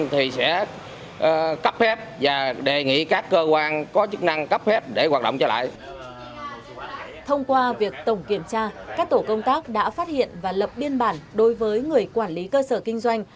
thông qua việc tổng kiểm tra các tổ công tác đã phát hiện và lập biên bản đối với người quản lý cơ sở kinh doanh